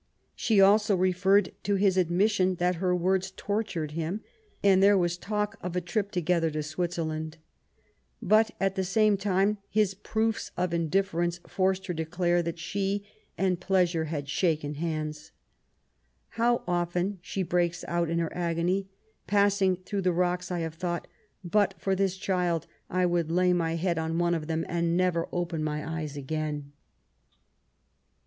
She also referred to his admission that her words tortured him ; and there was talk of a IMLAT8 DESERTION. 145 trip together to Switzerland. But at the same time his proofs of indifference forced her to declare that she and pleasure had shaken hands. '^ How often^" she breaks out in her agony, ^* passing through the rocks, I have thought, ' But for this child, I would lay my head on one of them, and never open my eyes again